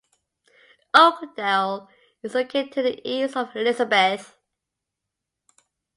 Oakdale is located to the east of Elizabeth.